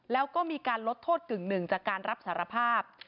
แล้วก็มีการลดโทษกึ่งหนึ่งจากการรับสารภาพ